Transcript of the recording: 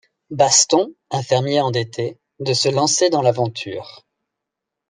Baston, un fermier endetté, de se lancer dans l'aventure.